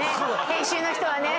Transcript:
編集の人はね。